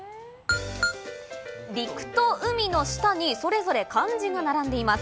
陸と海の下にそれぞれ漢字が並んでいます。